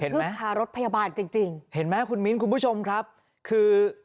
โอ้โหกระทืบพารถพยาบาลจริงเห็นไหมคุณมีนคุณผู้ชมครับคือ